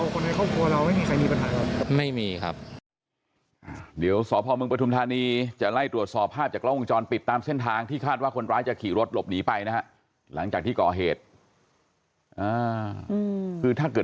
คนไทยครอบครัวเราไม่มีใครมีปัญหาเหรอ